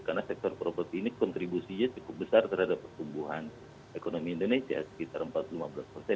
karena sektor properti ini kontribusinya cukup besar terhadap pertumbuhan ekonomi indonesia sekitar empat puluh lima persen ya